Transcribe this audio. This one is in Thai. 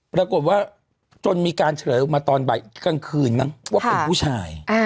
ปรากฏว่าจนมีการเฉลยออกมาตอนบ่ายกลางคืนมั้งว่าเป็นผู้ชาย